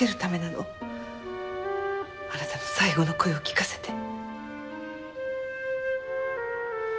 あなたの最後の声を聞かせて。